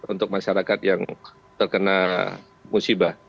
untuk masyarakat yang terkena musibah